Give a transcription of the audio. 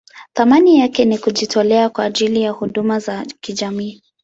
Thamani yake ni kujitolea kwa ajili ya huduma za kijamii.